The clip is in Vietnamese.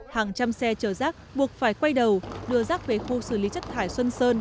hàng trăm xe chở rác buộc phải quay đầu đưa rác về khu xử lý chất thải xuân sơn